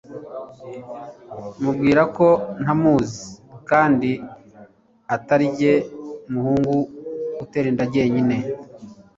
mubwira ko ntamuzi kandi atarinjye muhungu uterinda njye nyine